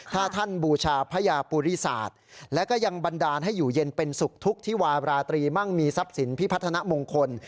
ถ้าท่านบูชาพระยาปุริศาสตร์และก็ยังบันดาลให้อยู่เย็นเป็นสุขทุกข์ที่วาราตรีมั่งมีทรัพย์สินพิพัฒนามงคล